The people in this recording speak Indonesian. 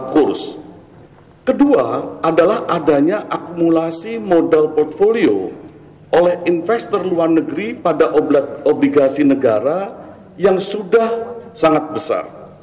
kurs kedua adalah adanya akumulasi modal portfolio oleh investor luar negeri pada obligasi negara yang sudah sangat besar